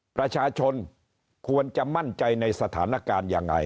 ประชาชนควรจะมั่นใจในสถานการณ์ยังไง